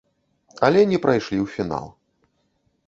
Але не прайшлі ў фінал.